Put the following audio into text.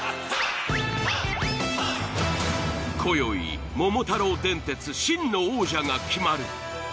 今宵『桃太郎電鉄』真の王者が決まる。